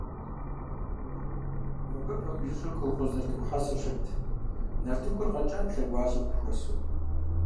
Мыбы пэмыжыжьэу колхоз нартыху хьэсэ щылът, нартыхур къэкӏат лъэгуажьэм къыпхуэсу.